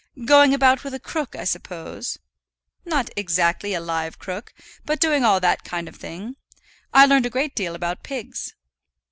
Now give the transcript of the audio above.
"Going about with a crook, I suppose?" "Not exactly a live crook; but doing all that kind of thing. I learned a great deal about pigs."